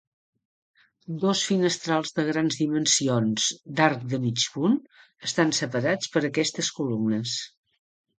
Dos finestrals de grans dimensions, d'arc de mig punt, estan separats per aquestes columnes.